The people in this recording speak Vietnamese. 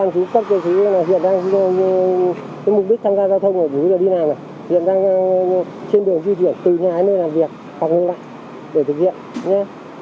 đi nào đi điện ra trên đường di chuyển từ nhà đến nơi làm việc hoặc ngưng lại để thực hiện nhé